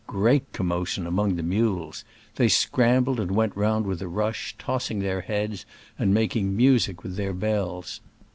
Great commotion among the mules ! They scrambled and went round with a rush, tossing their heads and making music with their bells.